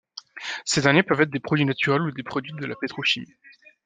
Ces derniers peuvent être des produits naturels ou des produits de la pétrochimie.